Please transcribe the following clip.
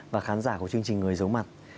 và khán giả của chương trình người giấu mặt